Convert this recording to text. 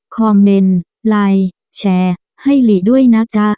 คอมเมนต์ไลน์แชร์ให้หลีด้วยนะจ๊ะ